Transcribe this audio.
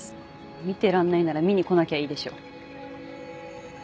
見てられないなら見に来なきゃいいでしょ。